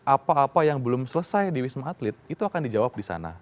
apa apa yang belum selesai di wisma atlet itu akan dijawab di sana